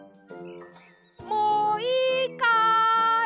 もういいかい！